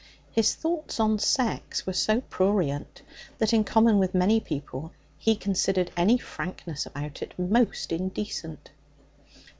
His thoughts on sex were so prurient that, in common with many people, he considered any frankness about it most indecent.